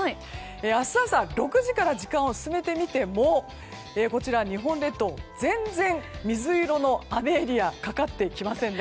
明日朝６時から時間を進めてみても日本列島、全然、水色の雨エリアかかってきませんね。